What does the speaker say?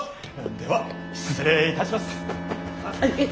では失礼いたしますッ！